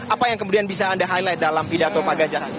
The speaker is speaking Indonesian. apa yang kemudian bisa anda highlight dalam pidato pak ganjar